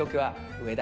上田！